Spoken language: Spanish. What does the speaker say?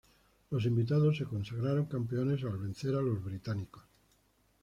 Los invitados se consagraron campeones al vencer a los británicos.